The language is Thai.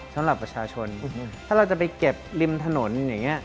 สำหรับประชาชนถ้าเราจะไปเก็บริมถนนอย่างนี้